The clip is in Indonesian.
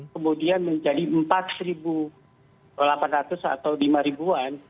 kemudian menjadi empat delapan ratus atau lima ribuan